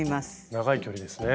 長い距離ですね。